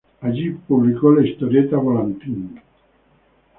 Allí publicó la historieta Volantín.